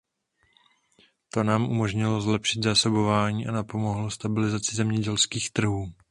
To nám umožnilo zlepšit zásobování a napomohlo stabilizaci zemědělských trhů.